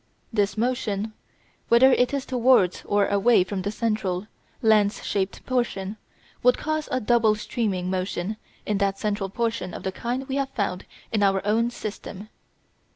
This motion, whether it is towards or away from the central, lens shaped portion, would cause a double streaming motion in that central portion of the kind we have found in our own system.